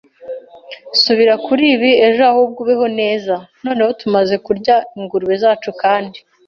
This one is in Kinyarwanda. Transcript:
subira kuri ibi ejo ahubwo ubeho neza. ” Noneho, tumaze kurya ingurube zacu kandi